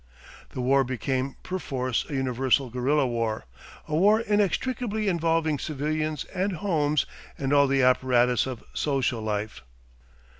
The war became perforce a universal guerilla war, a war inextricably involving civilians and homes and all the apparatus of social life.